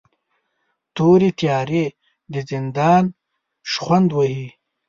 تورې تیارې د زندان شخوند وهي